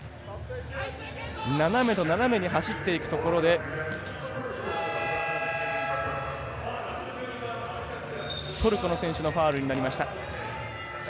斜めと斜めに走っていくところでトルコの選手のファウルになりました。